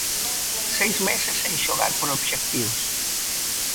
Seis meses sen xogar por obxectivos.